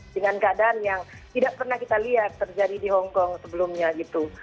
dengan keadaan yang tidak pernah kita lihat terjadi di hongkong sebelumnya gitu